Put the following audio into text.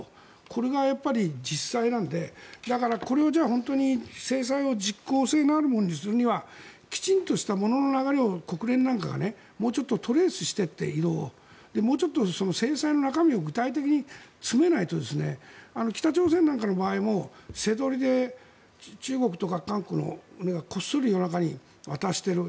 これが実際なのでだからこれを本当に制裁を実効性のあるものにするにはきちんとした物の流れを国連なんかがもうちょっと移動をトレースしていってもうちょっと制裁の中身を具体的に詰めないと北朝鮮なんかの場合も瀬取りも船が中国とか韓国もこっそり夜中に渡している。